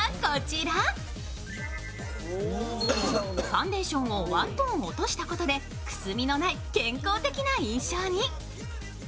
ファンデーションをワントーン落としたことでくすみのない健康的な印象に。